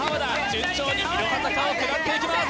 順調にいろは坂を下っていきます